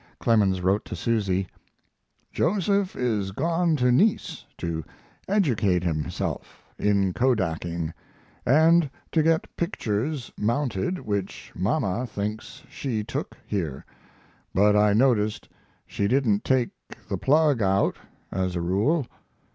Clemens wrote to Susy: Joseph is gone to Nice to educate himself in kodaking and to get the pictures mounted which mama thinks she took here; but I noticed she didn't take the plug out, as a rule.